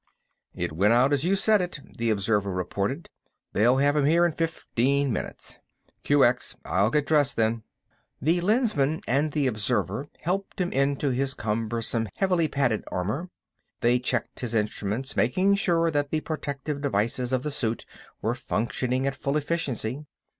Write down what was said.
"It went out as you said it," the observer reported. "They'll have 'em here in fifteen minutes." "QX—I'll get dressed, then." The Lensman and the observer helped him into his cumbersome, heavily padded armor. They checked his instruments, making sure that the protective devices of the suit were functioning at full efficiency.